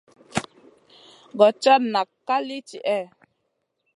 Gochata chata nak ka li tihè?